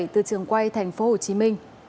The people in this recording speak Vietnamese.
từ trường quay tp hcm